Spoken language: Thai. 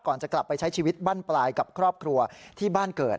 จะกลับไปใช้ชีวิตบ้านปลายกับครอบครัวที่บ้านเกิด